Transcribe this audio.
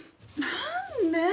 何で？